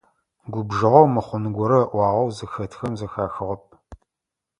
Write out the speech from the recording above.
Губжыгъэу, мыхъун горэ ыӏуагъэу зыхэтхэм зэхахыгъэп.